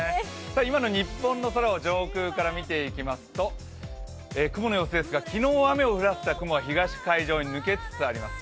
今の日本の空を上空から見ていきますと、雲の様子ですが昨日雨を降らせた雲は東海上に抜けつつあります。